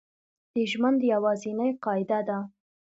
د ژوند یوازینۍ قاعده ده